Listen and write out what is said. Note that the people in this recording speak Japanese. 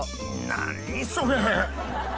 何それ。